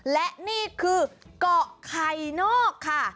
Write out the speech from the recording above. และนี่คือเกาะไข่นอกค่ะ